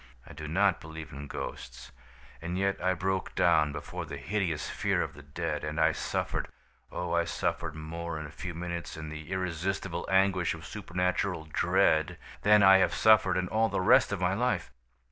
"I do not believe in ghosts; and yet I broke down before the hideous fear of the dead; and I suffered, oh, I suffered more in a few minutes, in the irresistible anguish of supernatural dread, than I have suffered in all the rest of my life!